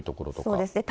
そうですね。